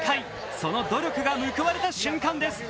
その努力が報われた瞬間です。